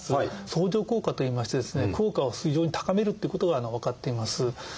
相乗効果といいまして効果を非常に高めるということが分かっています。